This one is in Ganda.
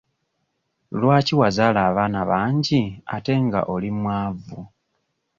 Lwaki wazaala abaana bangi ate nga oli mwavu?